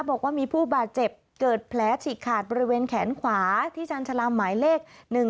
บอกว่ามีผู้บาดเจ็บเกิดแผลฉีกขาดบริเวณแขนขวาที่ชาญชาลามหมายเลข๑๒